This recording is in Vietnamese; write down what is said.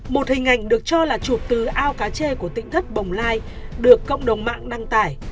một hình ảnh được cho là chụp từ ao cá tre của tỉnh thất bồng lai được cộng đồng mạng đăng tải